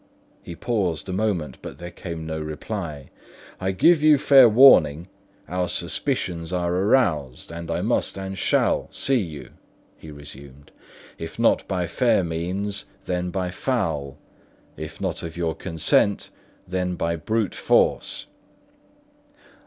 He paused a moment, but there came no reply. "I give you fair warning, our suspicions are aroused, and I must and shall see you," he resumed; "if not by fair means, then by foul—if not of your consent, then by brute force!"